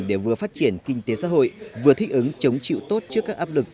để vừa phát triển kinh tế xã hội vừa thích ứng chống chịu tốt trước các áp lực